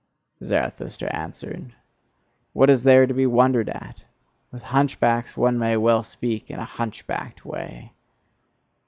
Zarathustra answered: "What is there to be wondered at! With hunchbacks one may well speak in a hunchbacked way!"